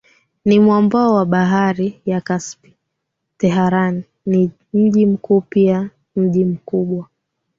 ni mwambao wa Bahari ya Kaspi Tehran ni mji mkuu pia mji mkubwa